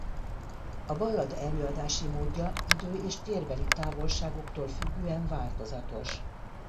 A ballada előadási módja idő- és térbeli távolságoktól függően változatos.